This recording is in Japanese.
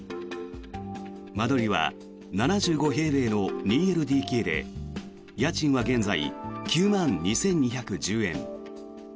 間取りは７５平米の２ＬＤＫで家賃は現在９万２２１０円。